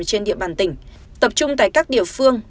trên địa bàn tỉnh tập trung tại các địa phương